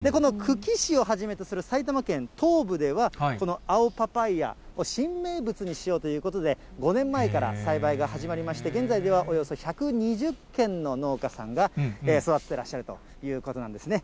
この久喜市をはじめとする埼玉県東部では、この青パパイヤを新名物にしようということで、５年前から栽培が始まりまして、現在ではおよそ１２０軒の農家さんが育ててらっしゃるということなんですね。